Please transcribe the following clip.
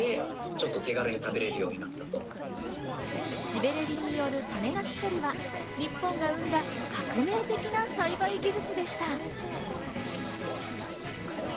ジベレリンによる種なし処理は、日本が生んだ革命的な栽培技術でした。